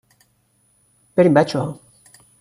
بریم بچه ها